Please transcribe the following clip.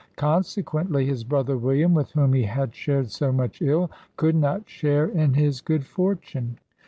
consequently, his brother William, with whom he had shared so much ill, could not share in his good fortune.